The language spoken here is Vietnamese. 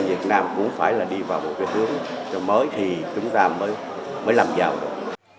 việt nam cũng phải là đi vào một cái hướng cho mới thì chúng ta mới làm giàu được